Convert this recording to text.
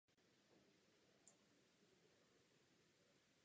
Veřejná moc však zůstávala v jejich rukou.